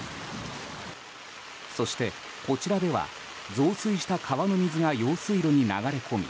そして、こちらでは増水した川の水が用水路に流れ込み